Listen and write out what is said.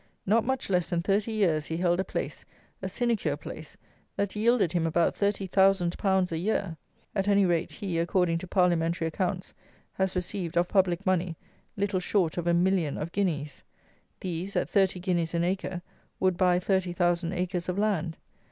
Not much less than thirty years he held a place, a sinecure place, that yielded him about thirty thousand pounds a year! At any rate, he, according to Parliamentary accounts, has received, of public money, little short of a million of guineas. These, at 30 guineas an acre, would buy thirty thousand acres of land.